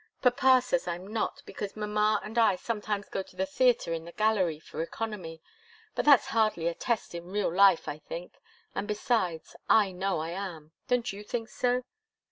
Papa says I'm not, because mamma and I sometimes go to the theatre in the gallery, for economy. But that's hardly a test in real life, I think and besides, I know I am. Don't you think so?"